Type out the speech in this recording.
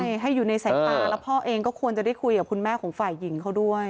ใช่ให้อยู่ในสายตาแล้วพ่อเองก็ควรจะได้คุยกับคุณแม่ของฝ่ายหญิงเขาด้วย